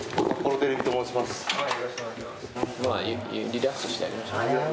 リラックスしてやりましょう。